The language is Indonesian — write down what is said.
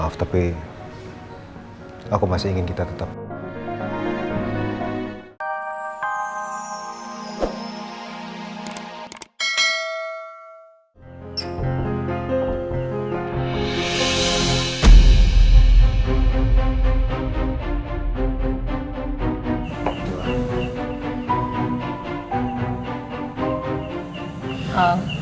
aku tahu aku salah